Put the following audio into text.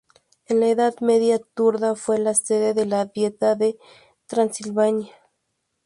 En la Edad Media, Turda fue la sede de la Dieta de Transilvania.